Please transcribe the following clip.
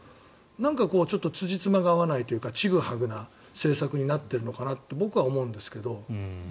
なんかちょっとつじつまが合わないというかちぐはぐな政策になっているのかなと僕は思うんですけども。